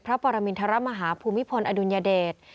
ปรมินทรมาฮาภูมิพลอดุลยเดช